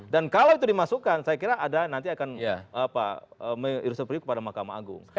dan kalau itu dimasukkan saya kira nanti akan irus perihuk kepada mahkamah agung